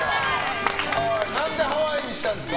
何で「ハワイ」にしたんですか？